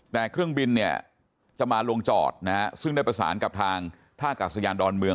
แต่เครื่องบินเนี่ยจะมาลงจอดนะฮะซึ่งได้ประสานกับทางท่ากาศยานดอนเมือง